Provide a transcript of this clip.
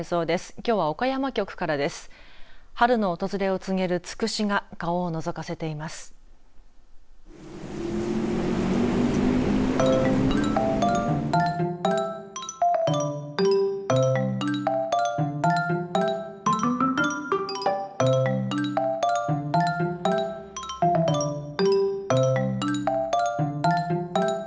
きょうは岡山局からです。